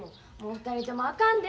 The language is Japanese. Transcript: ２人ともあかんで。